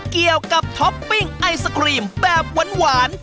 เกี่ยวกับท็อปปิ้งไอศกรีมแบบหวาน